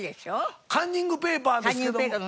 カンニングペーパーですけど。